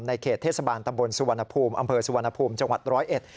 เขตเทศบาลตำบลสุวรรณภูมิอำเภอสุวรรณภูมิจังหวัดร้อยเอ็ด